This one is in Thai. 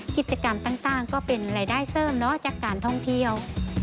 กิจกรรมต่างก็เป็นรายได้เสริมจากการท่องเที่ยว